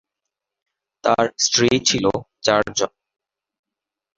তার স্ত্রী ছিল চারজন।